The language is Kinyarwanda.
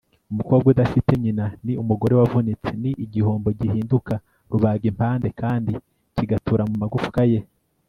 umukobwa udafite nyina ni umugore wavunitse. ni igihombo gihinduka rubagimpande kandi kigatura mu magufwa ye